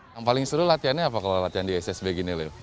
yang paling seru latihannya apa kalau latihan di ssb gini leo